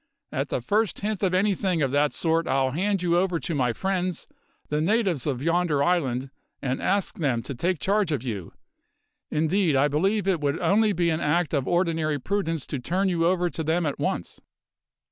At the first hint of anything of that sort I'll hand you over to my friends, the natives of yonder island, and ask them to take charge of you; indeed I believe it would only be an act of ordinary prudence to turn you over to them at once."